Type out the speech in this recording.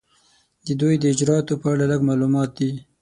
د دوی د اجرااتو په اړه لږ معلومات دي.